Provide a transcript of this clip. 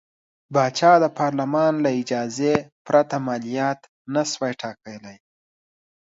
پاچا د پارلمان له اجازې پرته مالیات نه شوای ټاکلی.